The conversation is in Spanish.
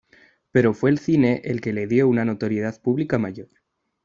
Pero fue el cine el que le dio una notoriedad pública mayor.